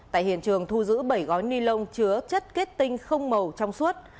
tại hiện trường thu giữ bảy gói ni lông chứa chất kết tinh không màu trong suốt